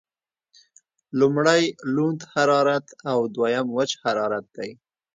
لمړی لوند حرارت او دویم وچ حرارت دی.